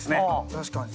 確かに。